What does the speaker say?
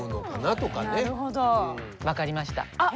分かりました。